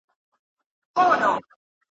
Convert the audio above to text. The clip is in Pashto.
چي پر چا غمونه نه وي ورغلي !.